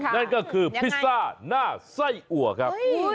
นั่นก็คือพิซซ่าหน้าไส้อัวครับ